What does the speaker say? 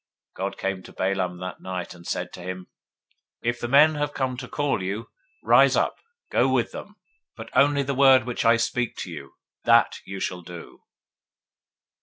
022:020 God came to Balaam at night, and said to him, If the men are come to call you, rise up, go with them; but only the word which I speak to you, that shall you do.